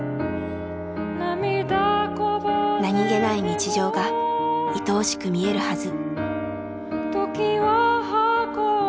何気ない日常がいとおしく見えるはず。